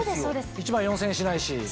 １枚４０００円しないし。